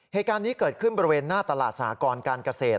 เหตุการณ์นี้เกิดขึ้นบริเวณหน้าตลาดสากรการเกษตร